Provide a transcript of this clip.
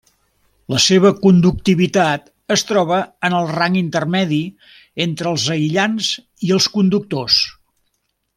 La seva conductivitat es troba en el rang intermedi entre els aïllants i els conductors.